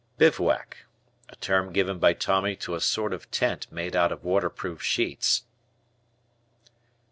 Bivouac. A term given by Tommy to a sort of tent made out of waterproof sheets.